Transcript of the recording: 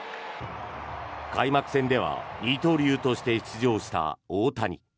開幕戦では二刀流として出場した大谷。